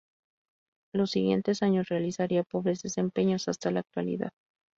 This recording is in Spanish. Los siguientes años realizaría pobres desempeños hasta la actualidad.